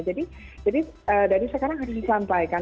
jadi jadi dari sekarang harus disampaikan